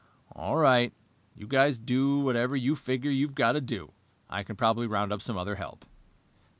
"All right. You guys do whatever you figure you've got to do. I can probably round up some other help."